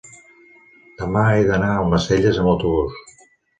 demà he d'anar a Almacelles amb autobús.